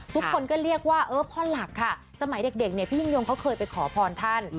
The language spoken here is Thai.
ทุกคนก็เรียกว่าเออพ่อหลักค่ะสมัยเด็กเนี่ยพี่ยิ่งยงเขาเคยไปขอพรท่าน